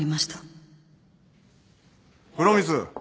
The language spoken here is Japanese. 風呂光。